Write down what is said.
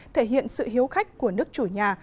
thể hiện sự hiếu khách của nước chủ nhà